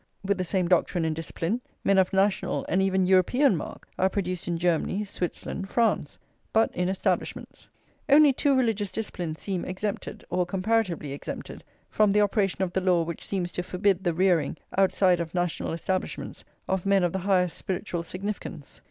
With the same doctrine and discipline, men of national and even European mark are produced in Germany, Switzerland, France; but in Establishments. Only two religious disciplines seem exempted; or comparatively exempted, from the operation of the law which seems to forbid the rearing, outside of national establishments, of men of the [xxi] highest spiritual significance.